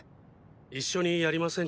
一緒にやりませんか？